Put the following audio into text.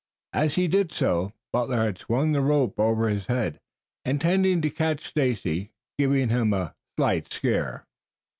As he did so Butler had swung the rope over his head, intending to catch Stacy, giving him a slight scare.